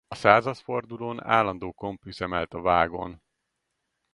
A századfordulón állandó komp üzemelt a Vágon.